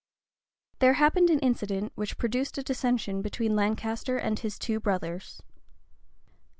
There happened an incident which produced a dissension between Lancaster and his two brothers.